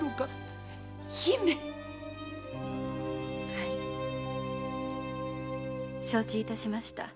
はい承知いたしました。